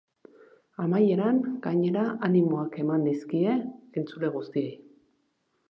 Amaieran, gainera, animoak eman dizkie entzule guztiei.